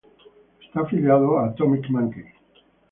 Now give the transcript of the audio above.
Está afiliado a Atomic Monkey.